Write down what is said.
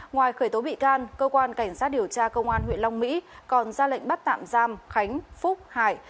ngoài khởi tố bị can cơ quan cảnh sát điều tra công an huyện long mỹ còn ra lệnh bắt tạm giam khánh phúc hải